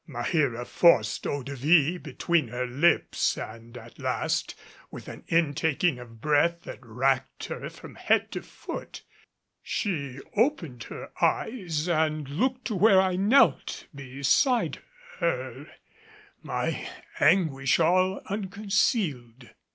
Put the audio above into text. Maheera forced eau de vie between her lips and at last, with an intaking of breath that racked her from head to foot, she opened her eyes and looked to where I knelt beside her, my anguish all unconcealed.